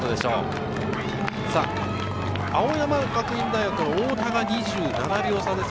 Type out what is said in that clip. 青山学院大学の太田が２７秒差です。